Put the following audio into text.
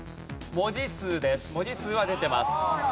文字数は出てます。